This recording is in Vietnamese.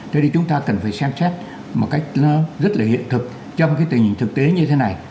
thế thì chúng ta cần phải xem xét một cách nó rất là hiện thực trong cái tình hình thực tế như thế này